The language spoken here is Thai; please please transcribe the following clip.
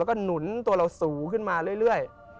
แล้วก็หนุนตัวเราสูงขึ้นมาเรื่อย